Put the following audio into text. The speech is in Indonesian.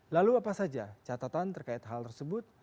lalu apa saja catatan terkait hal tersebut